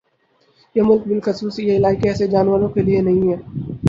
یہ ملک بلخصوص یہ علاقہ ایسے جانوروں کے لیے نہیں ہے